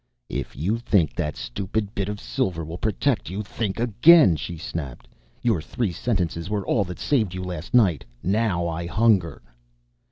"If you think that stupid bit of silver will protect you, think again," she snapped. "Your three sentences were all that saved you last night. Now I hunger."